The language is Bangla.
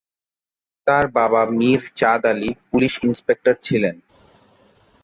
তার বাবা মীর চাঁদ আলী পুলিশ ইন্সপেক্টর ছিলেন।